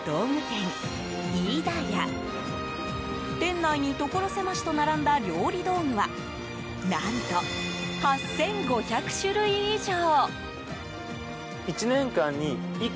店内にところ狭しと並んだ料理道具は何と、８５００種類以上！